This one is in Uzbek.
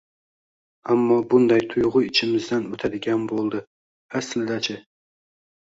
ammo bunday tuyg‘u ichimizdan o‘tadigan bo‘ldi. Aslida-chi?